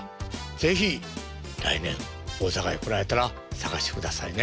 是非来年大阪へ来られたら探してくださいね。